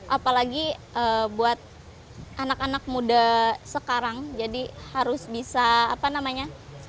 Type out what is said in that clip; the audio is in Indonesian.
apalagi buat anak anak muda sekarang jadi harus bisa apa namanya